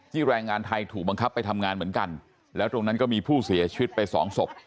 แรงงานไทยถูกบังคับไปทำงานเหมือนกันแล้วตรงนั้นก็มีผู้เสียชีวิตไปสองศพ